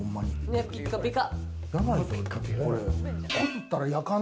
ピッカピカ。